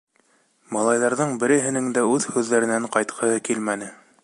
Малайҙарҙың береһенең дә үҙ һүҙҙәренән ҡайтҡыһы килмәне.